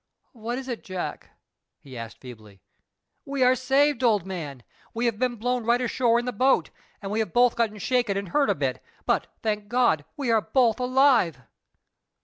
"What is it, Jack?" he asked feebly. "We are saved, old man. We have been blown right ashore in the boat, and we have both got shaken and hurt a bit; but, thank God, we are both alive."